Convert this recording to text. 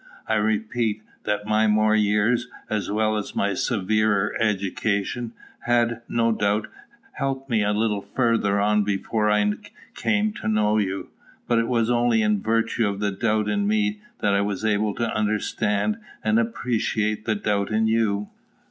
I repeat, that my more years, as well as my severer education, had, no doubt, helped me a little further on before I came to know you; but it was only in virtue of the doubt in me that I was able to understand and appreciate the doubt in you.